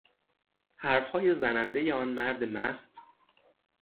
حرفهای زنندهی آن مرد مست